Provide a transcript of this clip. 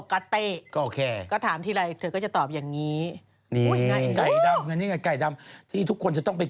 กินข้าวเหนียวไหม